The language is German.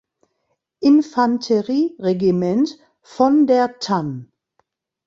Infanterie-Regiment „von der Tann“.